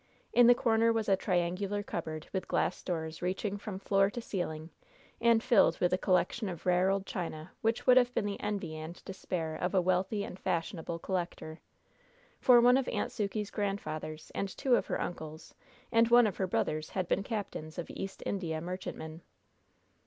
In the corner was a triangular cupboard with glass doors reaching from floor to ceiling, and filled with a collection of rare old china which would have been the envy and despair of a wealthy and fashionable collector; for one of Aunt Sukey's grandfathers and two of her uncles and one of her brothers had been captains of East India merchantmen.